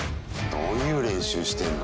どういう練習してんの？